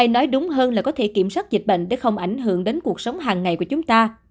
nói đúng hơn là có thể kiểm soát dịch bệnh để không ảnh hưởng đến cuộc sống hàng ngày của chúng ta